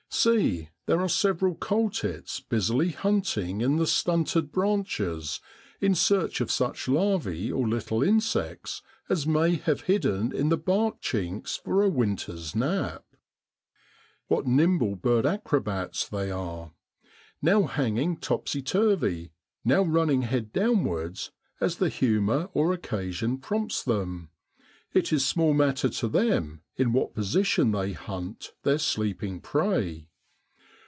See ! there are several cole tits busily hunting in the stunted branches in search of such larvas or little insects as may have hidden in the bark chinks for a winter's nap. What nimble bird acrobats they are ! Now hanging topsy turvy, now running head downwards as the humour or occasion prompts them, it is small matter to them in what position they hunt their sleeping prey.